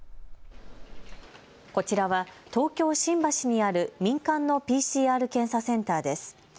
こちらは、東京・新橋にある民間のＰＣＲ検査センターです。